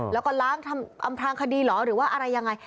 แล้วก็ล้างอำพลางคดีเหรอหรือว่าอะไรยังไง